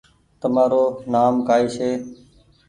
تمآرو نآم ڪآئي ڇي ۔